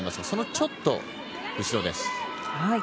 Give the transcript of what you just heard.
そのちょっと後です。